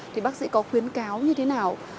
thì bác sĩ có khuyến cáo như thế nào